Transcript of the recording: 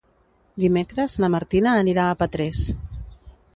Dimecres na Martina anirà a Petrés.